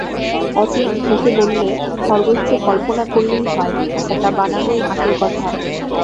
অতীন হেসে বললে, খরগোশ তো কল্পনা করলেই হয়, খাঁচাটা বানানোই আসল কথা।